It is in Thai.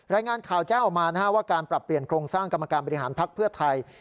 รายงานข่าวแจ้งออกมาว่าการปรับเปลี่ยนโครงสร้างกรรมการบริหารภักดิ์เพื่อไทย